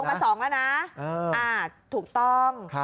นี่ลงมา๒แล้วนะถูกต้อง